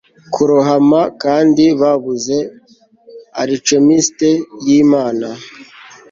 kurohama kandi babuze alchemiste yimana